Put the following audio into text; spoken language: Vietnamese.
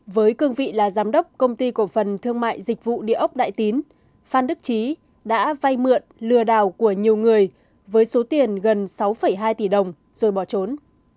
với cương vị là giám đốc công ty cổ phần thương mại dịch vụ địa ốc đại tín phan đức trí đã vay mượn lừa đảo của nhiều người với số tiền gần sáu hai tỷ đồng rồi bỏ trốn